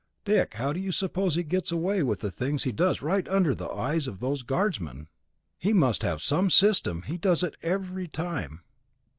"Dick, how do you suppose he gets away with the things he does right under the eyes of those Air Guardsmen? He must have some system; he does it every time."